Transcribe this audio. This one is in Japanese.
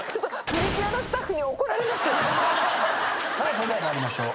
それでは参りましょう。